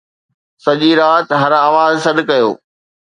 سڄي رات هر آواز سڏ ڪيو